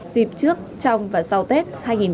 dịp trước trong và sau tết hai nghìn hai mươi